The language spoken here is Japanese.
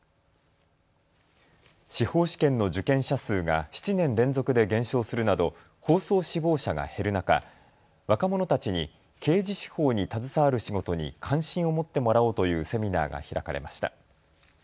司法試験の受験者数が７年連続で減少するなど法曹志望者が減る中、若者たちに刑事司法に携わる仕事に関心を持ってもらおうというセミナーが開かれました。